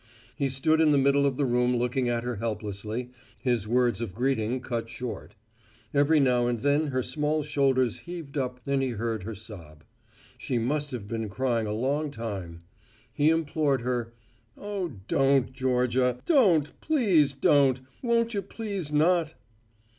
He stood in the middle of the room looking at her helplessly, his words of greeting cut short. Every now and then her small shoulders heaved up and he heard her sob. She must have been crying a long time. He implored her, "Oh, don't, Georgia, don't; please don't; won't you please not?"